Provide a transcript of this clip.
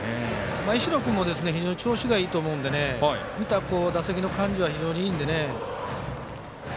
石野君も非常に調子がいいと思うんで、見た感じの打席の感じはいいので。